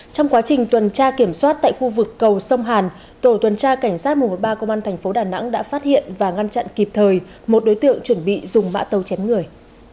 trong quá trình tuần tra kiểm soát tại khu vực cầu sông hàn tổ tuần tra cảnh sát một trăm một mươi ba công an thành phố đà nẵng đã phát hiện và ngăn chặn kịp thời một đối tượng chuẩn bị dùng mã tàu chém người